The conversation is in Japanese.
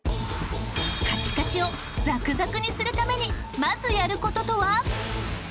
カチカチをザクザクにするためにまずやる事とは？